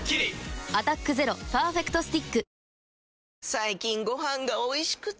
最近ご飯がおいしくて！